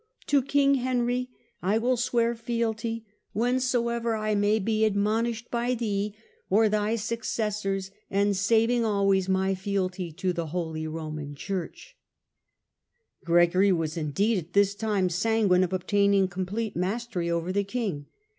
* To king Henry I will swear fealty whensoever I may be admonished thereto Digitized by VjOOQIC HiLDBBRAND POPR 95 by thee or thy successors, and saving always my fealty to the Holy Roman Church.' Gregory was indeed at this time sanguine of obtain ing complete mastery over the king.